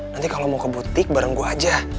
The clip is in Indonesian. nanti kalau mau ke butik bareng gue aja